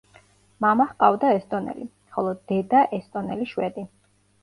მამა ჰყავდა ესტონელი, ხოლო დედა ესტონელი შვედი.